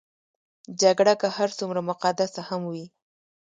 جګړه که هر څومره مقدسه هم وي.